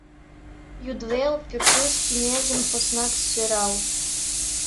Йӱдвел пӱртӱс кеҥежым поснак сӧрал.